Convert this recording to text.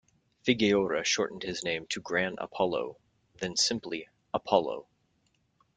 Figueroa shortened his name to Gran Apolo, then simply Apolo.